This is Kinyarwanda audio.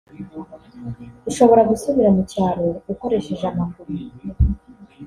ushobora gusubira mu cyaro ukoresheje amaguru